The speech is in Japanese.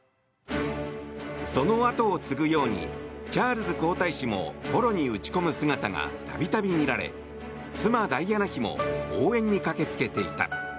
その後を継ぐようにチャールズ皇太子もポロに打ち込む姿が度々見られ妻ダイアナ妃も応援に駆け付けていた。